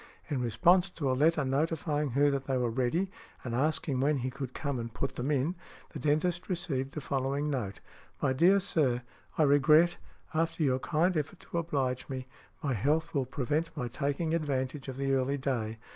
In response to a letter notifying her that they were ready, and asking when he could come and put them in, the dentist received the following note: "My dear Sir, I regret, after your kind effort to oblige me, my health will prevent my taking advantage of the early day.